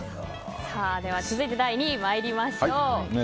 続いて第２位まいりましょう。